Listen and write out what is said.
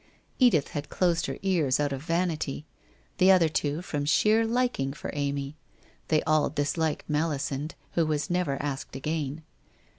Edith had closed her ears out of vanity, the other two from sheer liking for Amy. They all disliked Melisande, who was never asked again.